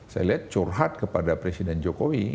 saya lihat curhat kepada presiden jokowi